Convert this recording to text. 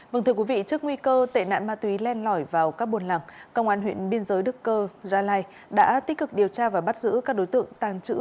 vâng thưa quý vị trước nguy cơ tệ nạn ma túy len lỏi vào các buồn lặng công an huyện biên giới đức cơ gia lai đã tích cực điều tra và bắt giữ các đối tượng